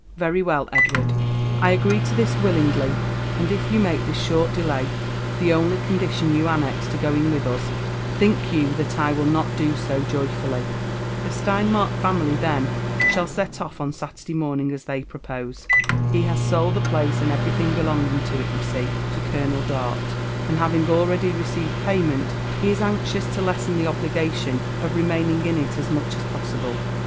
307 « "Very well, Edward, — I agree to this willingly; and if you make this short delay the only condition you annex to going with us, think you that I willnotiioso joyfully? The Sleinmark family then shall set oCT Saturday morning, as they propose. He has sold the place and everything bfelonging to it, you see, to Colonel Dart; and having already received payment, he is anxious to lessen the obligation of remaining in it as much as possible.